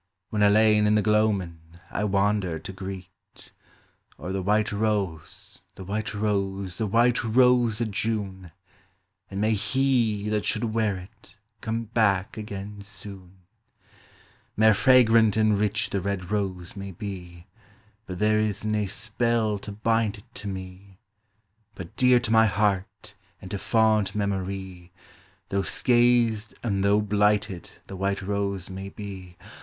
When alane in the gloamin' I wander to greet. O'er the white rose, the white rose, the white rose o' June, An' may he that should wear it come back again sune ! Mair fragrant and rich the red rose may be, But there is nae spell to bind it to me : But dear to my heart and to fond memorie, Tho' scathed and tho' blighted the white rose may be.